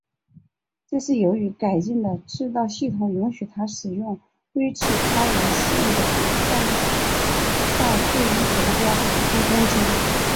这是由于改进的制导系统允许它使用类似抛物线的弹道对目标俯冲攻击。